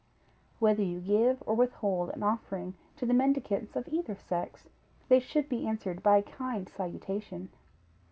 Whether you give or withhold an offering to the mendicants of either sex, they should be answered by a kind salutation.